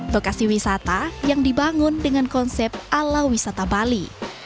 lokasi wisata yang dibangun dengan konsep ala wisata bali